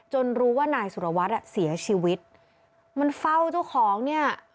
รู้ว่านายสุรวัตรอ่ะเสียชีวิตมันเฝ้าเจ้าของเนี่ย